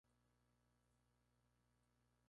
Su responsabilidad está a cargo del Rector.